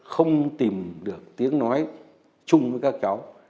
không tìm được tiếng nói chung với các cháu